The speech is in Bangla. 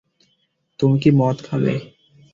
তুমি কি মদ খাবে?